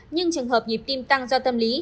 nhưng trường hợp nhịp tim tăng do tâm lý